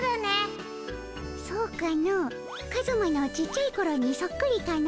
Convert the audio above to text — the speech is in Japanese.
そうかのカズマのちっちゃいころにそっくりかの？